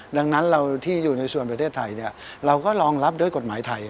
ดังนั้นเราที่อยู่ในส่วนประเทศไทยเราก็รองรับด้วยกฎหมายไทย